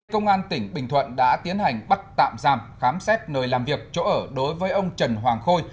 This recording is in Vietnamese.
công an tỉnh bình thuận đã tiến hành bắt tạm giam khám xét nơi làm việc chỗ ở đối với ông trần hoàng khôi